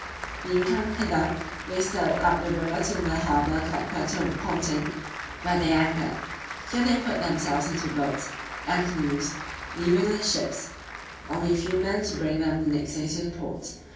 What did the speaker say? Being come hither, they sailed up the river to another harbour called Puerto Pontin, where they anchored: here they put themselves into boats and canoes, leaving in the ships only a few men to bring them next day to the port.